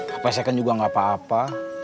supaya second juga gak apa apa